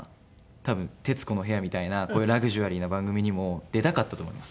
多分『徹子の部屋』みたいなこういうラグジュアリーな番組にも出たかったと思います。